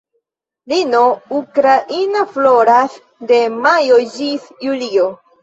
Lino ukraina floras de majo ĝis julio.